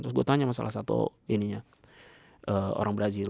terus gue tanya sama salah satu orang brazil